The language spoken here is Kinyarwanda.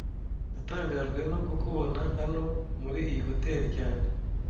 Natangajwe no kukubona hano muri iyi hoteri cyane